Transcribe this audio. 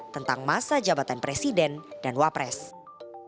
tentang masa jabatan presiden dan wakil presiden